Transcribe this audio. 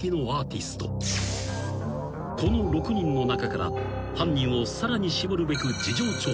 ［この６人の中から犯人をさらに絞るべく］